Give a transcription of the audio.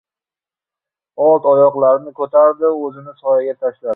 Old oyoqlarini ko‘tardi, o‘zini soyga tashladi.